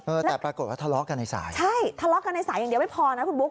แต่ปรากฏว่าทะเลาะกันในสายใช่ทะเลาะกันในสายอย่างเดียวไม่พอนะคุณบุ๊